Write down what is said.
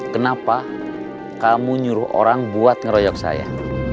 kenapa kamu nyuruh orang buat ngeroyok saya